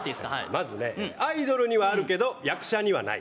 まずねアイドルにはあるけど役者にはない。